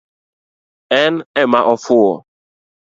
En ema ofuo